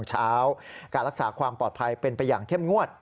การรักษาความปลอดภัยเป็นไปอย่างเข้มงวด